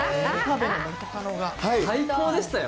最高でしたよ。